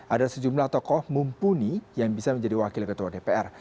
ada sejumlah tokoh mumpuni yang bisa menjadi wakil ketua dpr